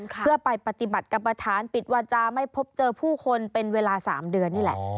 เพื่อไปปฏิบัติกรรมฐานปิดวาจาไม่พบเจอผู้คนเป็นเวลา๓เดือนนี่แหละ